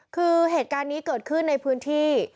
คือเหตุการณ์นี้เกิดขึ้นในพื้นที่